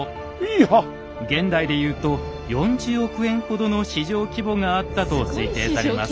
現代で言うと４０億円ほどの市場規模があったと推定されます。